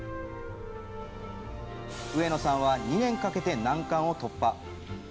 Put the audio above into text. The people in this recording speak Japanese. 上野さんは、２年かけて難関を突破。